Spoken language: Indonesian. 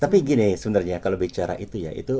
tapi gini sebenarnya kalau bicara itu ya